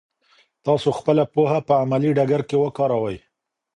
تاسو خپله پوهه په عملي ډګر کې وکاروئ.